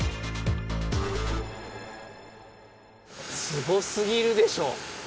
すごすぎるでしょ！